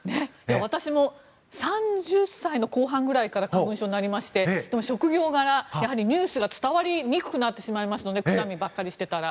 私も３０歳の後半くらいから花粉症になりましてでも職業柄ニュースが伝わりにくくなってしまいますのでくしゃみばかりしていたら。